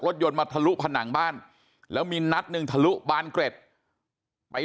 ยนต์มาทะลุผนังบ้านแล้วมีนัดหนึ่งทะลุบานเกร็ดไป